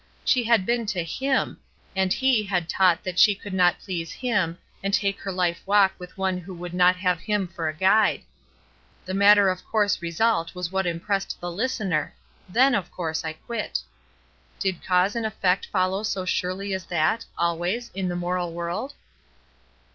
She had been to "Him," and He had taught that she could not please Him, and take her Ufe walk with one who would not have Him for a guide. The matter of course result was what im pressed the listener, "Then, of course, I quit." Did cause and effect follow so surely as that, always, in the moral world?